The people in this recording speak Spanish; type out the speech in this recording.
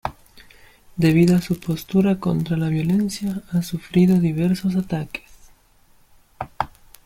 Debido a su postura contra la violencia ha sufrido diversos ataques.